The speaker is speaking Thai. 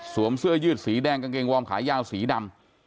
เสื้อยืดสีแดงกางเกงวอร์มขายาวสีดำ